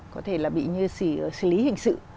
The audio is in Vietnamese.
có thể là bị như xử lý hình sự